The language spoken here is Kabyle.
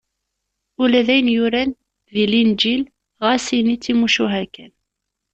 Ula d ayen yuran deg Linǧil, ɣas ini d timucuha kan.